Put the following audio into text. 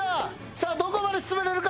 さあどこまで進められるか？